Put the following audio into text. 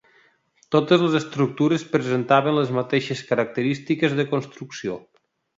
Totes les estructures presentaven les mateixes característiques de construcció.